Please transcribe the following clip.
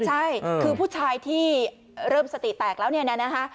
ใช่คือผู้ชายที่เริ่มสติแตกแล้วเนี่ยนะฮะ